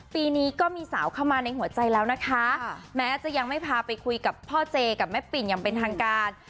ปีนี้ก็มีสาวเข้ามาในหัวใจแล้วนะคะแม้จะยังไม่พาไปคุยกับพ่อเจกับแม่ปิ่นอย่างเป็นทางการ